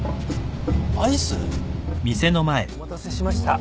アイス？お待たせしました。